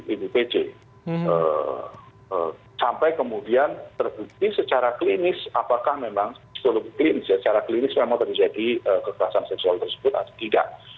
ini kemudian terbukti secara klinis apakah memang secara klinis memang terjadi keterasan seksual tersebut atau tidak